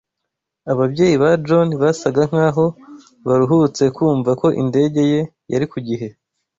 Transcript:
Ababyeyi ba John basaga nkaho baruhutse kumva ko indege ye yari ku gihe.